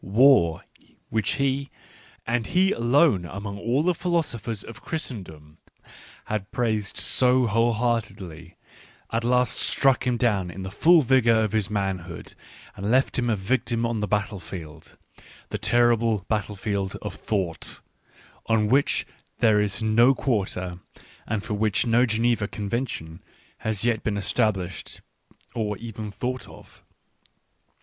War, which he — and he alone among all the philosophers of Christendom — had praised so whole heartedly, at last struck him down in the full vigour of his man hood, and left him a victim on the battlefield — the terrible battlefield of thought, on which there is no quarter, and for which no Geneva Convention has yet been established or even thought of.